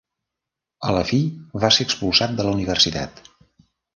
A la fi, va ser expulsat de la universitat.